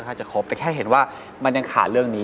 แต่แค่เห็นว่ามันยังขาดเรื่องนี้